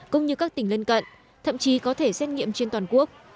cũng như các tỉnh lân cận thậm chí có thể xét nghiệm trên toàn quốc